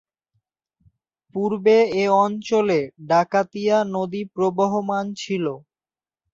পূর্বে এ অঞ্চলে ডাকাতিয়া নদী প্রবহমান ছিল।